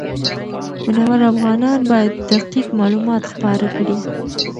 منور افغانان باید دقیق معلومات خپاره کړي.